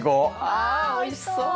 あおいしそう！